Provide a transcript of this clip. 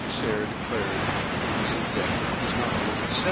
Sayer de clared that the real debt was not more than 70!.